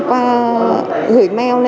gửi mail để đổi biển số vàng